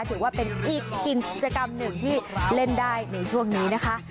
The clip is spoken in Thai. ถือว่าเป็นอีกกิจกรรมหนึ่งที่เล่นได้ในช่วงนี้นะคะ